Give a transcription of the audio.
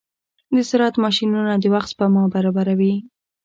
د زراعت ماشينونه د وخت سپما برابروي.